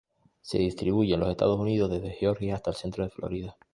Se distribuye en los Estados Unidos, desde Georgia hasta el centro de Florida.